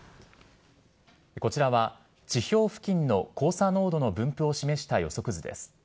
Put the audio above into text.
こちらは地表付近の黄砂濃度の分布を示した予測図です。